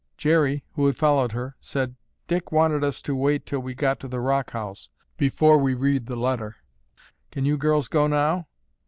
Jerry, who had followed her, said, "Dick wanted us to wait till we got to the rock house before we read the letter. Can you girls go now?"